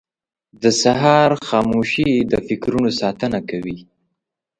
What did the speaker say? • د سهار خاموشي د فکرونو ساتنه کوي.